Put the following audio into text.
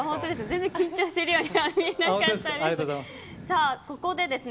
全然緊張してるようには見えなかったです。